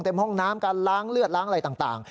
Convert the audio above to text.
ห้องน้ำการล้างเลือดล้างอะไรต่าง